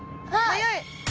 早い！